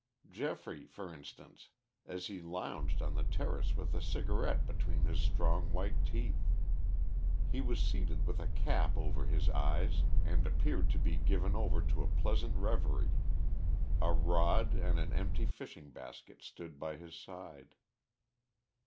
Geoffrey, for instance, as he lounged on the terrace with a cigarette between his strong white teeth. He was seated with a cap over his eyes and appeared to be given over to a pleasant reverie. A rod and an empty fishing basket stood by his side.